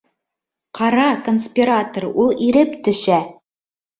Ҡара, конспиратор, ул иреп төшә!